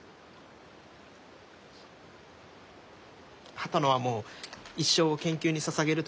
波多野はもう一生を研究にささげると決めてる。